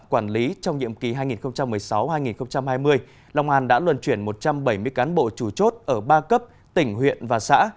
quản lý trong nhiệm kỳ hai nghìn một mươi sáu hai nghìn hai mươi long an đã luân chuyển một trăm bảy mươi cán bộ chủ chốt ở ba cấp tỉnh huyện và xã